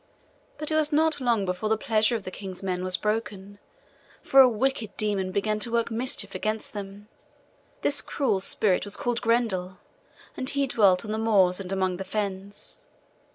But it was not long before the pleasure of the king's men was broken, for a wicked demon began to work mischief against them. This cruel spirit was called Grendel, and he dwelt on the moors and among the fens.